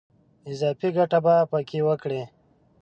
اضافي ګټه په کې وکړي.